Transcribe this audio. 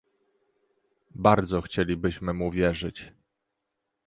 Bardzo chcielibyśmy mu wierzyć